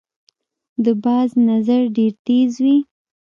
د باز نظر ډیر تېز وي